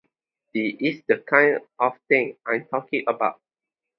This is the kind of thing I’m talking about.